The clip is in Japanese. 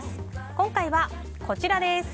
今回はこちらです。